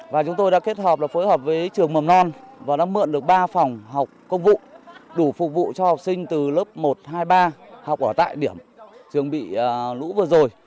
và chúng tôi đã kết hợp phối hợp với trường mầm non và đã mượn được ba phòng học công vụ đủ phục vụ cho học sinh từ lớp một hai ba học ở tại điểm trường bị lũ vừa rồi